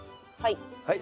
はい。